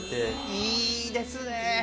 いいですね。